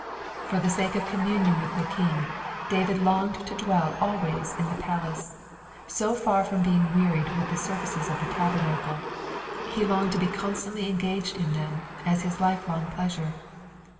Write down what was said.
''' For the sake of com munion with the King, David longed to dwell always in the palace ; so far from being wearied with the services of the Tabernacle, the longed to be constantly engaged in them, as his life long pleasure.